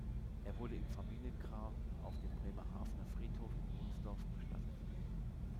Er wurde im Familiengrab auf dem Bremerhavener Friedhof in Wulsdorf bestattet.